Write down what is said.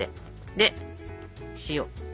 で塩。